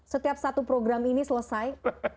setiap satu program ini selesai